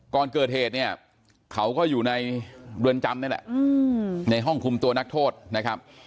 ก่อนเกิดเหตุเนี่ยเขาก็อยู่ในเรือนจำนี่แหละในห้องคุมตัวนักโทษนะครับ